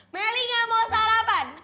meli gak mau sarapan